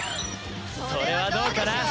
それはどうかな？